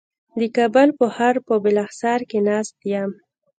د کابل په ښار په بالاحصار کې ناست یم.